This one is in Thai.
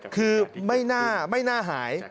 คือไม่น่าไม่น่าหาย